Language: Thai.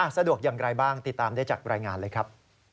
สะดวกอย่างไรบ้างติดตามได้จากรายงานเลยครับ